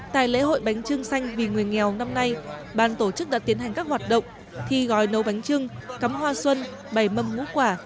tại lễ hội bánh trưng xanh vì người nghèo năm nay ban tổ chức đã tiến hành các hoạt động thi gói nấu bánh trưng cắm hoa xuân bày mâm ngũ quả